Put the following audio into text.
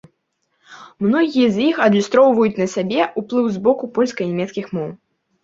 Многія з іх адлюстроўваюць на сабе ўплыў з боку польскай і нямецкай моў.